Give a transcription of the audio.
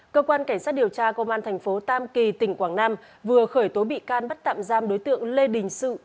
cơ quan cảnh sát điều tra công an thành phố tam kỳ tỉnh quảng nam vừa khởi tố bị can bắt tạm giam đối tượng lê đình sự